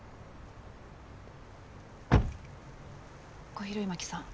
小比類巻さん